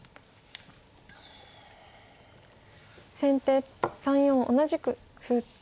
先手３四同じく歩。